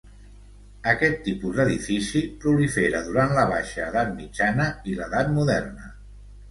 Aquest tipus d'edifici prolifera durant la baixa edat mitjana i l'edat moderna.